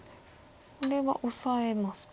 これはオサえますか。